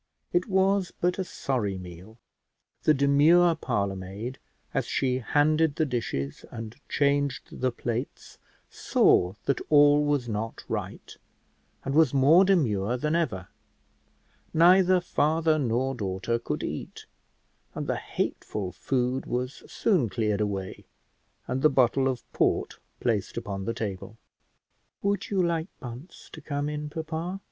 It was but a sorry meal. The demure parlour maid, as she handed the dishes and changed the plates, saw that all was not right, and was more demure than ever: neither father nor daughter could eat, and the hateful food was soon cleared away, and the bottle of port placed upon the table. "Would you like Bunce to come in, papa?"